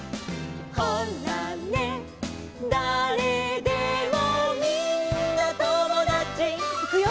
「ほらね誰でもみんなともだち」いくよ！